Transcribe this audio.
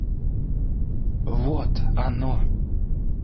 Вот оно!